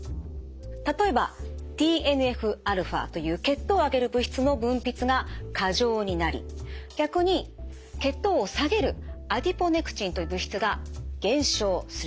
例えばＴＮＦ−αという血糖を上げる物質の分泌が過剰になり逆に血糖を下げるアディポネクチンという物質が減少する。